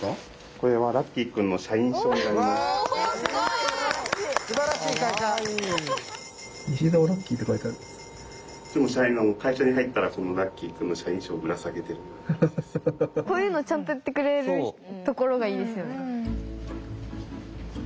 こういうのちゃんとやってくれるところがいいですよね。